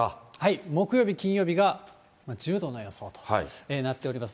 木曜日、金曜日が１０度の予想となっております。